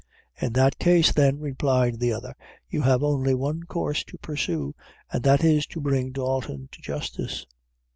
"In that case, then," replied the other, "you have only one course to pursue, and that is, to bring Dalton to justice."